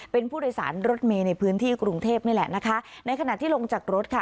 เป็นผู้โดยสารรถเมย์ในพื้นที่กรุงเทพนี่แหละนะคะในขณะที่ลงจากรถค่ะ